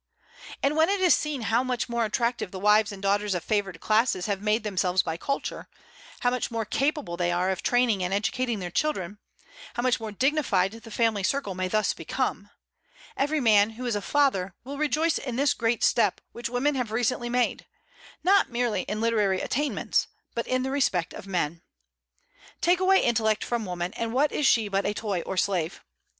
And when it is seen how much more attractive the wives and daughters of favored classes have made themselves by culture, how much more capable they are of training and educating their children, how much more dignified the family circle may thus become, every man who is a father will rejoice in this great step which women have recently made, not merely in literary attainments, but in the respect of men. Take away intellect from woman, and what is she but a toy or a slave?